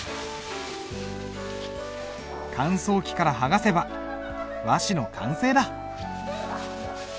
乾燥機から剥がせば和紙の完成だ。